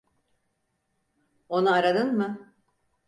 Onu aradın mı?